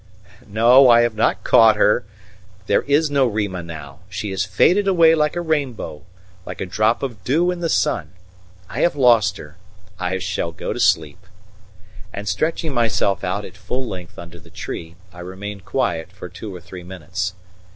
"No, I have not caught her. There is no Rima now. She has faded away like a rainbow like a drop of dew in the sun. I have lost her; I shall go to sleep." And stretching myself out at full length under the tree, I remained quiet for two or three minutes.